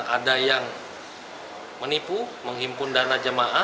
ada yang menipu menghimpun dana jemaah